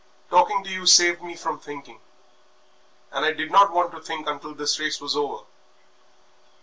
Talking to you saved me from thinking, and I did not want to think until this race was over.